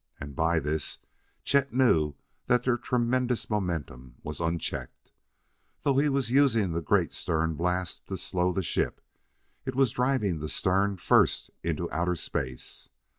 And, by this, Chet knew that their tremendous momentum was unchecked. Though he was using the great stern blast to slow the ship, it was driving stern first into outer space.